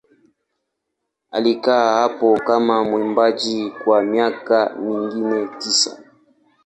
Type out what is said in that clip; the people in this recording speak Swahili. Alikaa hapo kama mwimbaji kwa miaka mingine tisa.